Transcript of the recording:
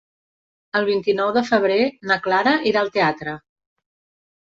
El vint-i-nou de febrer na Clara irà al teatre.